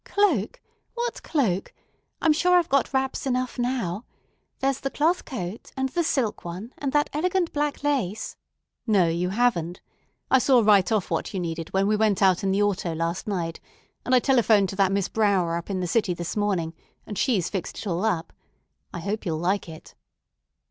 "Cloak; what cloak? I'm sure I've got wraps enough now. There's the cloth coat, and the silk one, and that elegant black lace——" "No, you haven't. I saw right off what you needed when we went out in the auto last night; and I telephoned to that Miss Brower up in the city this morning, and she's fixed it all up. I hope you'll like it."